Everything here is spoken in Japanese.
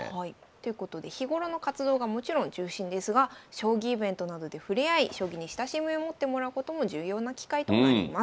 ということで日頃の活動がもちろん中心ですが将棋イベントなどで触れ合い将棋に親しみを持ってもらうことも重要な機会となります。